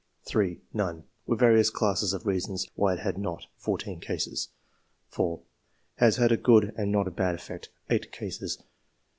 (3) " None/' with various classes of reasons why it had not — 14 cases. (4) Has had a good and not a bad eflfect — 8 cases.